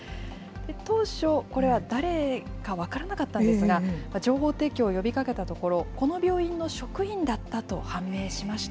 当初、これは誰か分からなかったんですが、情報提供を呼びかけたところ、この病院の職員だったと判明しました。